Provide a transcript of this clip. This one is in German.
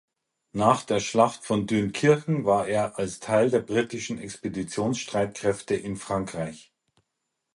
Nach der Schlacht von Dünkirchen war er als Teil der britischen Expeditionsstreitkräfte in Frankreich.